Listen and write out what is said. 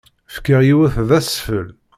Fkiɣ yiwet d asfel.